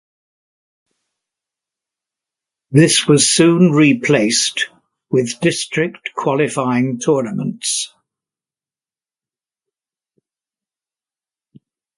This was soon replaced with district qualifying tournaments.